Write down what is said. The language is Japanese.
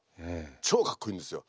超かっこいいんですよ。